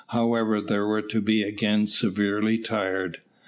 However, they were to be again severely tried.